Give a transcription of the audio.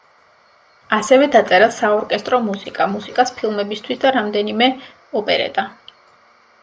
ასევე დაწერა საორკესტრო მუსიკა, მუსიკას ფილმებისათვის და რამდენიმე ოპერეტა.